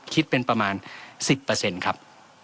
คิดเป็นประมาณ๑๐ครับ